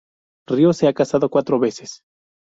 Ríos se ha casado cuatro veces.